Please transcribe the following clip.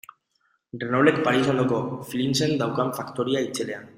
Renaultek Paris ondoko Flinsen daukan faktoria itzelean.